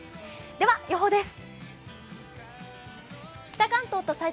では、予報です。